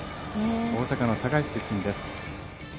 大阪の堺市出身です。